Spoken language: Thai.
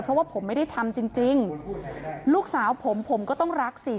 เพราะว่าผมไม่ได้ทำจริงจริงลูกสาวผมผมก็ต้องรักสิ